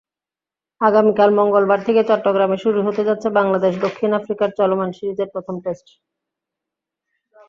আগামীকাল মঙ্গলবার থেকে চট্টগ্রামে শুরু হতে যাচ্ছে বাংলাদেশ-দক্ষিণ আফ্রিকার চলমান সিরিজের প্রথম টেস্ট।